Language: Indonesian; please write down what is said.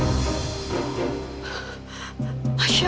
katanya ibu yang dulu membunuh suaminya